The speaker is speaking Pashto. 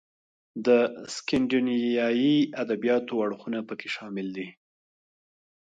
د سکینډینیویايي ادبیاتو اړخونه پکې شامل دي.